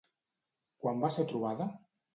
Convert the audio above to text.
Quan va ser trobada?